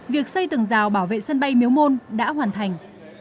việc xây tường rào bảo vệ sân bay miếu môn đã hoàn thành